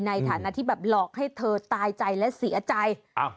ในฐานะที่แบบหลอกให้เธอตายใจและเสียใจอ้าว